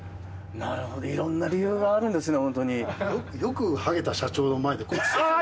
なるほどいろんな理由があるんですね。